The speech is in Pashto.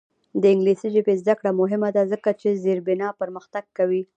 د انګلیسي ژبې زده کړه مهمه ده ځکه چې زیربنا پرمختګ کوي.